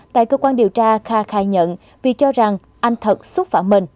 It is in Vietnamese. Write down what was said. tại cơ quan điều tra kha khai nhận vì cho rằng anh thật xúc phạm mình